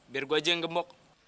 biar gua aja yang gembok